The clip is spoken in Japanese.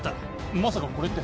まさかこれって。